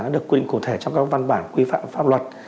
được quy định cụ thể trong các văn bản quy phạm pháp luật